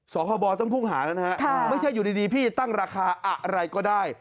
คบต้องพุ่งหาแล้วนะฮะไม่ใช่อยู่ดีพี่ตั้งราคาอะไรก็ได้